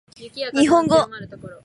日本語